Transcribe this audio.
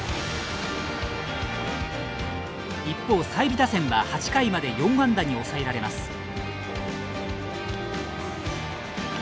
一方、済美打線は８回まで４安打に抑えられます。